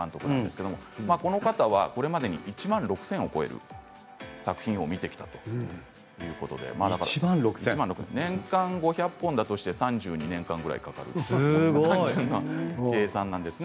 この方はこれまでに１万６０００を超える作品を見てきたということで年間５００本だとして３２年間ぐらいかかる計算です。